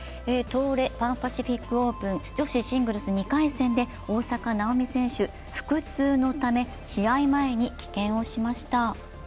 東レパンパシフィックオープン女子シングルス２回戦で、大坂なおみ選手、腹痛のため試合前に棄権をしました。